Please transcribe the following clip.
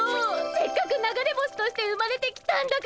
せっかく流れ星として生まれてきたんだから。